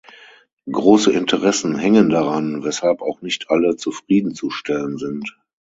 Große Interessen hängen daran, weshalb auch nicht alle zufriedenzustellen sind.